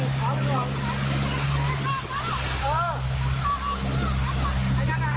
มีคนเงื่อยมีคนเงื่อยมีคนเงื่อยมีคนเงื่อยมีคนเงื่อยมีคนเงื่อย